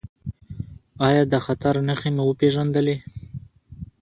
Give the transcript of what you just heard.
ایا د خطر نښې مو وپیژندلې؟